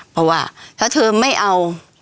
เพราะว่าถ้าเธอไม่เอา